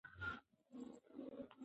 زما هديره